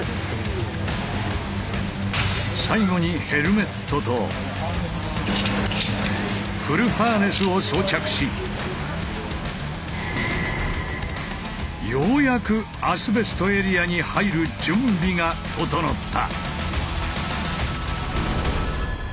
最後にヘルメットとフルハーネスを装着しようやくアスベストエリアに入る準備が整った！